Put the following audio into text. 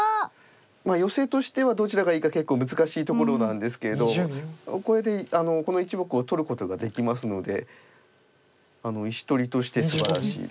ヨセとしてはどちらがいいか結構難しいところなんですけれどこれでこの１目を取ることができますので石取りとしてすばらしいです。